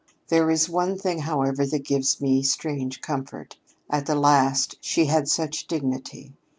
"There is one thing, however, that gives me strange comfort. At the last she had such dignity!